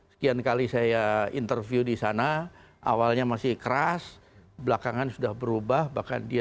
sekian kali saya interview di sana awalnya masih keras belakangan sudah berubah bahkan dia